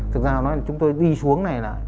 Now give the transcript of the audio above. thực ra chúng tôi đi xuống này